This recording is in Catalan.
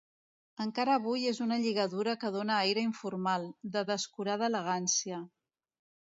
Encara avui és una lligadura que dóna aire informal, de descurada elegància.